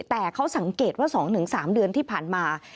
แต่เขาสังเกตว่า๒๓เดือนที่ผ่านมา